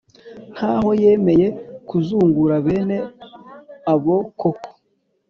nk aho yemeye kuzungura bene abo koko